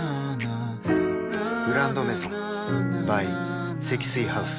「グランドメゾン」ｂｙ 積水ハウス